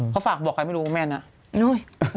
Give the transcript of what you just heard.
เขาฝากบอกใครไม่รู้ว่าแม่นั้น